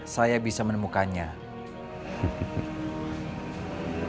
saya bisa menemukan cincin itu